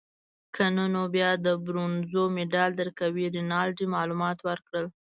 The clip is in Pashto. که نه نو بیا د برونزو مډال درکوي. رینالډي معلومات ورکړل.